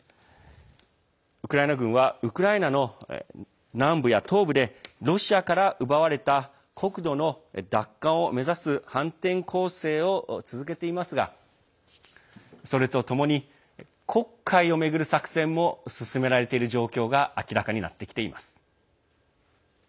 ウクライナ軍はウクライナの南部や東部でロシアから奪われた国土の奪還を目指す反転攻勢を続けていますがそれとともに黒海を巡る作戦も進められている状況が明らかになってきています。